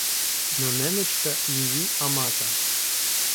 Но ненечка її Амата